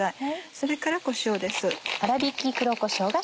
それからこしょうです。